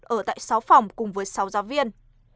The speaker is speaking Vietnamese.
ở tại sáu phòng cùng với sáu giáo viên